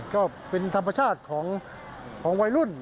ก็เป็นธรรมชาติของวัยรุ่น